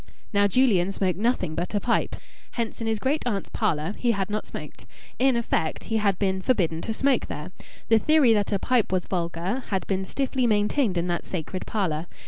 Now, Julian smoked nothing but a pipe. Hence in his great aunt's parlour he had not smoked; in effect he had been forbidden to smoke there. The theory that a pipe was vulgar had been stiffly maintained in that sacred parlour.